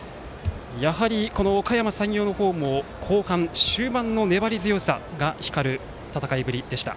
やはり、おかやま山陽の方も後半、終盤の粘り強さが光る戦いぶりでした。